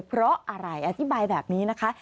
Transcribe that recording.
เพราะอะไรอธิบายแบบนี้นะคะ